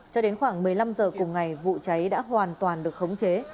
cho đến khoảng một mươi năm h cùng ngày vụ cháy đã hoàn toàn được khống chế